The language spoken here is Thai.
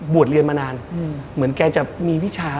เรียนมานานเหมือนแกจะมีวิชา